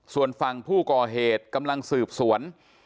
ส่วนฝั่งผู้ก่อเหตุกำลังสืบสวน